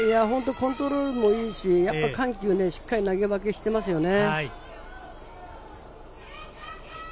コントロールもいいし、緩急もしっかり投げ分けしていますよね。